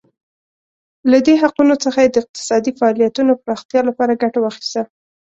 له دې حقونو څخه یې د اقتصادي فعالیتونو پراختیا لپاره ګټه واخیسته.